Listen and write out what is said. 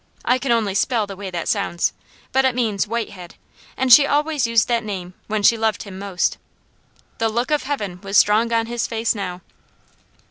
I can only spell the way that sounds, but it means "white head," and she always used that name when she loved him most. "The look of heaven" was strong on his face now.